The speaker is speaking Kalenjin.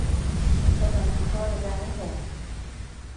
Miten amitwakik kaa ingebe